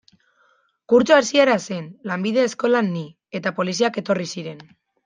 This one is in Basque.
Kurtso hasiera zen, lanbide eskolan ni, eta poliziak etorri ziren.